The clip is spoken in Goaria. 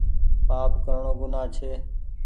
پآپ ڪرڻو گناه ڇي